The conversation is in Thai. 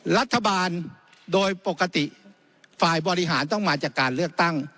รัฐบาลโดยปกติฝ่ายบริหารต้องมาจากการเลือกตั้ง